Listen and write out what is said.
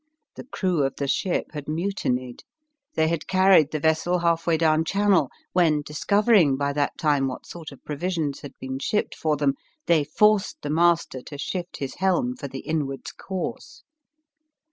The crew of the ship had mutinied : they had carried the vessel halfway down Channel, when, discovering by that time what sort of provisions had been shipped for them, they forced the master to shift his helm for the inwards course.